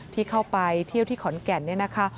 ที่เข้าไปเที่ยวที่ขอนแก่นเนี่ยนะคะ